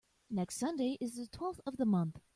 Next Sunday is the twelfth of the month.